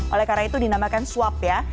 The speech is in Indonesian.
oleh karena itu dinamakan swab ya